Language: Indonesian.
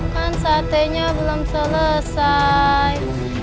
kan satenya belum selesai